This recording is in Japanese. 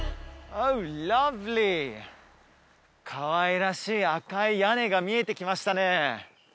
かわいらしい赤い屋根が見えてきましたね